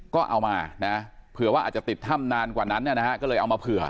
ก็เอามานะเผื่อว่าอาจจะติดถ้ำนานกว่านั้นนะฮะก็เลยเอามาเผื่อ